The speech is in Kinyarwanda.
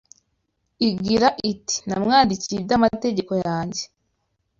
igira iti: “Namwandikiye iby’amategeko yanjye